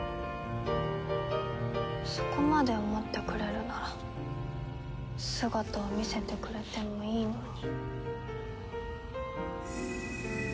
そこまで思ってくれるなら姿を見せてくれてもいいのに。